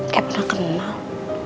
kayak pernah kenal